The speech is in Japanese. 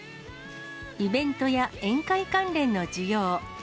イベントや宴会関連の需要。